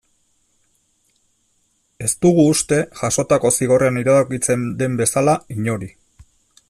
Ez dugu uste, jasotako zigorrean iradokitzen den bezala, inori.